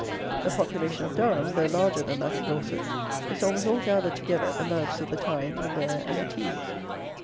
The population of Durham, though larger than that of Dorset, is almost all gathered together at the mouths of the Tyne, the Wear, and the Tees.